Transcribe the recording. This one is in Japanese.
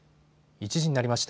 １時になりました。